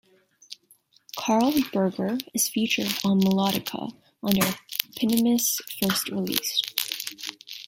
Karl Berger is featured on melodica on their eponymous first release.